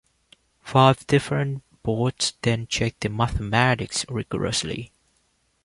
Five different boards then check the mathematics rigorously.